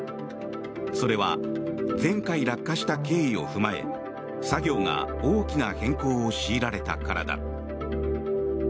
それは前回、落下した経緯を踏まえ作業が大きな変更を強いられたからだ。